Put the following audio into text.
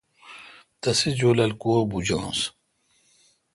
اول می تسے جولال کو بوجانس تے ۔